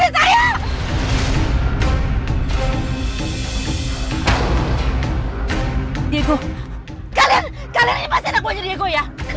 diego kalian ini pasti anak buahnya diego ya